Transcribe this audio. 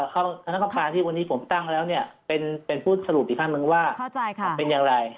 คณะกรรมการที่วันนี้ผมตั้งแล้วเนี่ยเป็นผู้สรุปอีกท่านหนึ่งว่าเป็นอย่างไร